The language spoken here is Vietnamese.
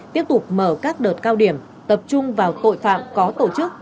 tiếp tục mở các đợt cao điểm tập trung vào tội phạm có tổ chức